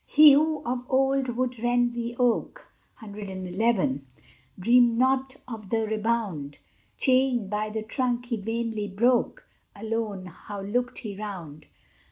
He who of old would rend the oak Dreamed not of the rebound; Chained by the trunk he vainly broke Alone how looked he round!